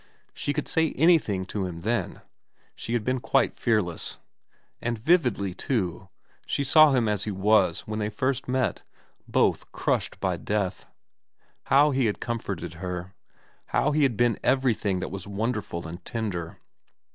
She could say anything to him then. She had been quite fearless. And vividly, too, she saw him as he was when first they met, both crushed by death, how he had comforted her, how he had been everything that was wonderful and tender.